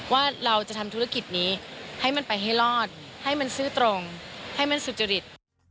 ว่าเราจะทำธุรกิจนี้ให้มันไปให้รอดให้มันซื่อตรงให้มันสุจริต